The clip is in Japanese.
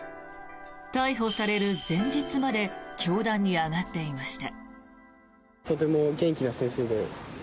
逮捕される前日まで教壇に上がっていました。